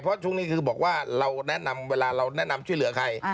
เพราะช่วงนี้คือบอกว่าเราแนะนำเวลาเราแนะนำช่วยเหลือใคร